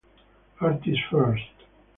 Artist First.